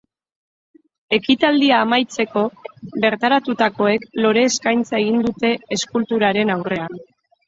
Ekitaldia amaitzeko, bertaratutakoek lore-eskaintza egin dute eskulturaren aurrean.